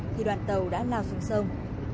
thì đoàn tàu đã lao xuống sông